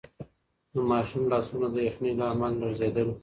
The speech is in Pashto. د ماشوم لاسونه د یخنۍ له امله لړزېدل.